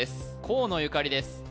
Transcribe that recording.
河野ゆかりです